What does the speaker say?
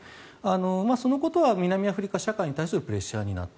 そのことは南アフリカ社会に対するプレッシャーになった。